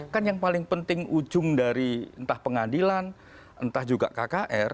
kan yang paling penting ujung dari entah pengadilan entah juga kkr